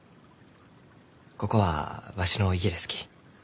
ここはわしの家ですき。